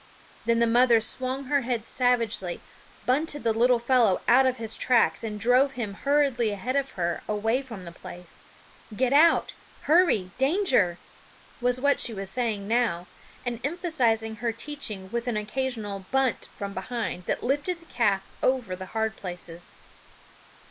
Then the mother swung her head savagely, bunted the little fellow out of his tracks, and drove him hurriedly ahead of her away from the place "Get out, hurry, danger!" was what she was saying now, and emphasizing her teaching with an occasional bunt from behind that lifted the calf over the hard places.